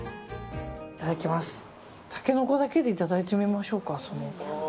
タケノコだけでいただいてみましょうか。